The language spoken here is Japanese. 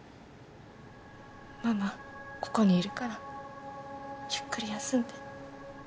ママここにいるからゆっくり休んで。